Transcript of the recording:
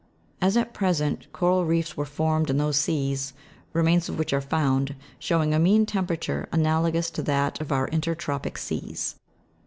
As at present, coral reefs were formed in those seas, remains of which are found, showing a mean temperature, analogous to that of our intertropic seas.